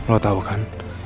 lo tau kan